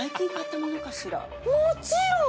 もちろん。